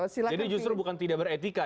jadi justru bukan tidak beretika